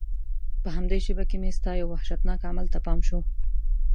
په همدې شېبه کې مې ستا یو وحشتناک عمل ته پام شو.